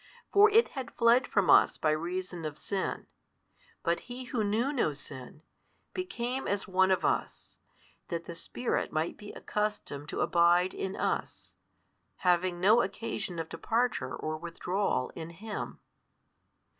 For It had fled from us by reason of sin, but He Who knew no sin, became as one of us, that the Spirit might be accustomed to abide in us, having no occasion of departure or withdrawal in Him.